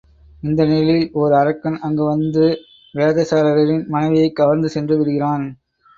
இந்த நிலையில் ஓர் அரக்கன் அங்கு வந்து வேதசாரரின் மனைவியைக் கவர்ந்து சென்று விடுகிறான்.